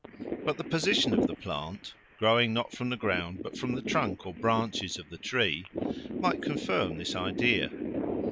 But the position of the plant growing not from the ground but from the trunk or branches of the tree might confirm this idea.